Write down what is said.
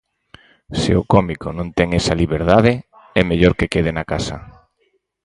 Se o cómico non ten esa liberdade, é mellor que quede na casa.